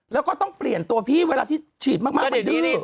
แล้วก็ต้องเปลี่ยนตัวพี่เวลาที่ฉีดมากมันดื้อ